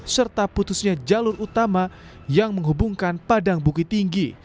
serta putusnya jalur utama yang menghubungkan padang bukit tinggi